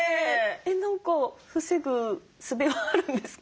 何か防ぐすべはあるんですか？